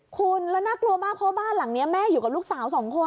คุณแล้วน่ากลัวมากเพราะบ้านหลังนี้แม่อยู่กับลูกสาวสองคน